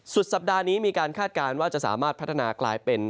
สุดสัปดาห์นี้มีการคาดการณ์ว่าจะสามารถพัฒนากลายเป็น